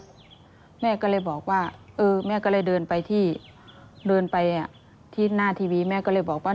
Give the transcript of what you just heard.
ปกติแม่ก็เลยบอกว่าแม่ก็เลยเดินไปที่หน้าทีวีแม่ก็เลยบอกว่า